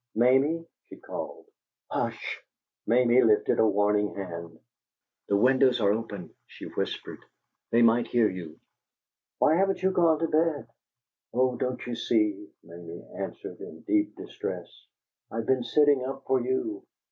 "Mamie?" she called. "Hush!" Mamie lifted a warning hand. "The windows are open," she whispered. "They might hear you!" "Why haven't you gone to bed?" "Oh, don't you see?" Mamie answered, in deep distress, "I've been sitting up for you.